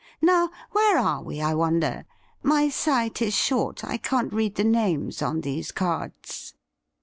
Now, where are we, I wonder ? My sight is short ; I can't read the names on these cards.'